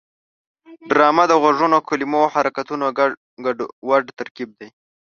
ډرامه د غږونو، کلمو او حرکتونو ګډوډ ترکیب دی